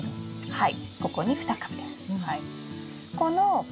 はい。